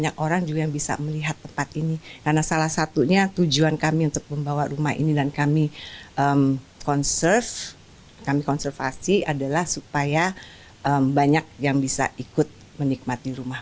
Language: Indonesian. kami untuk membawa rumah ini dan kami konservasi adalah supaya banyak yang bisa ikut menikmati rumah